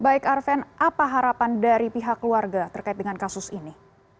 baik arven apa harapan dari pihak keluarga terkait dengan kasus ini